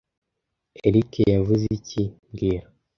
Eric yavuze iki mbwira